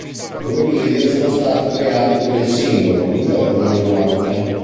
Due video sono stati creati per il singolo, un giorno e una notte.